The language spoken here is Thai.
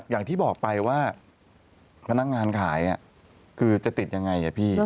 อย่างที่บอกไปว่าพนักงานขายคือจะติดยังไงพี่